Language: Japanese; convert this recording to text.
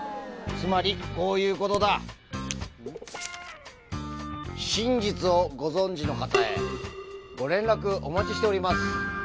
つまりこういうことだ「真実をご存知の方へ」ご連絡お待ちしております